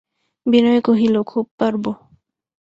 বিনয় কহিল, খুব পারব।